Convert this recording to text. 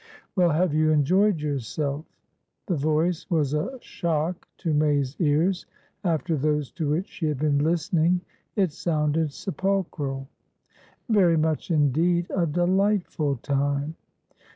"Well, have you enjoyed yourself?" The voice was a shock to May's ears. After those to which she had been listening, it sounded sepulchral. "Very much indeed. A delightful time!"